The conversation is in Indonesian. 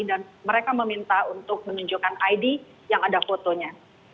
dan mereka meminta untuk menunjukkan id yang ada fotonya